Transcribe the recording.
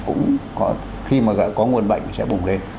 cũng khi mà có nguồn bệnh sẽ bùng lên